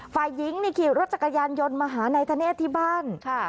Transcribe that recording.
ฝ่ายหญิงนี่ขี่รถจักรยานยนต์มาหานายธเนธที่บ้าน